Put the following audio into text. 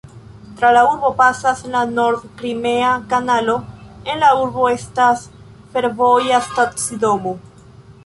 Tra la urbo pasas la nord-krimea kanalo; en la urbo estas fervoja stacidomo.